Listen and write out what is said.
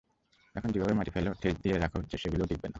এখন যেভাবে মাটি ফেল ঠেস দিয়ে রাখা হচ্ছে, সেগুলোও টিকবে না।